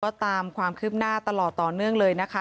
ก็ตามความคืบหน้าตลอดต่อเนื่องเลยนะคะ